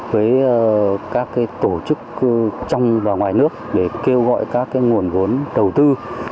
với các tổ chức trong và ngoài nước để kêu gọi các nguồn vốn đầu tư